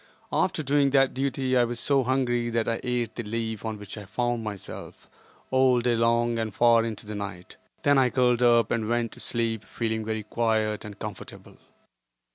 After doing that duty I was so hungry that I ate the leaf on which I found myself, all day long and far into the night. Then I curled up and went to sleep feeling very quiet and comfortable.